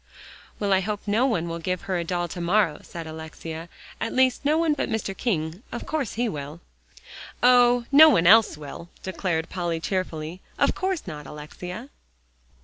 "Well, I hope no one will give her a doll to morrow," said Alexia, "at least no one but Mr. King. Of course he will." "Oh! no one else will," declared Polly cheerfully. "Of course not, Alexia."